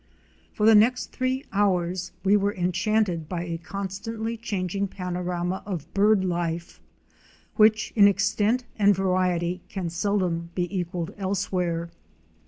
For the next three hours we were enchanted by a constantly changing panorama of bird life, which in extent and variety can seldom be equalled elsewhere.